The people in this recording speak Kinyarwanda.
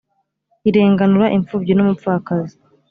irenganura imfubyi n’umupfakazi,